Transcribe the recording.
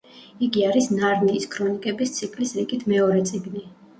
იგი არის ნარნიის ქრონიკების ციკლის რიგით მეორე წიგნი.